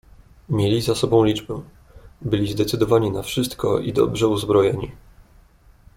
"Mieli za sobą liczbę, byli zdecydowani na wszystko i dobrze uzbrojeni."